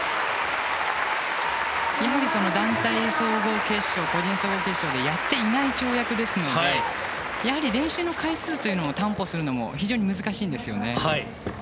今のは団体総合決勝や個人総合決勝でやっていない跳躍ですのでやはり練習の回数を担保するのも非常に難しいんですよね。